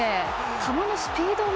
球のスピードも。